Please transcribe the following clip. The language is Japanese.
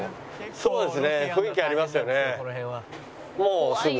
「そうですか！